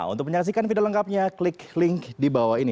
untuk menyaksikan video lengkapnya klik link di bawah ini